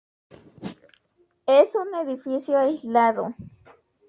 Es un edificio aislado.